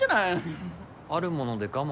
あるもので我慢すれば？